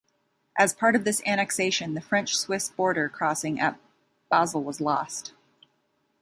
As part of this annexation, the French-Swiss border crossing at Basel was lost.